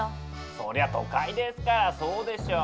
そりゃ都会ですからそうでしょう。